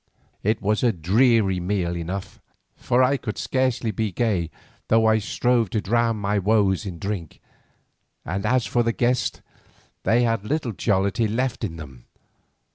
It was a dreary meal enough, for I could scarcely be gay though I strove to drown my woes in drink, and as for the guests, they had little jollity left in them.